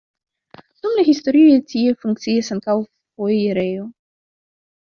Dum la historio tie funkciis ankaŭ foirejo.